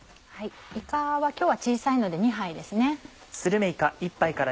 いかは今日は小さいので２杯です。